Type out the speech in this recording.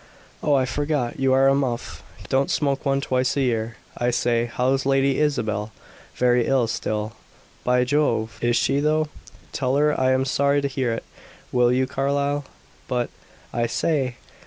"Oh, I forgot you are a muff; don't smoke one twice a year. I say how's Lady Isabel?" "Very ill still." "By Jove! Is she, though? Tell her I am sorry to hear it, will you, Carlyle? But I say!